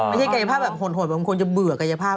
ไม่ใช่กายภาพแบบโหดแบบมันควรจะเบื่อกายภาพ